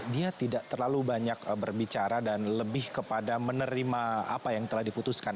dia tidak terlalu banyak berbicara dan lebih kepada menerima apa yang telah diputuskan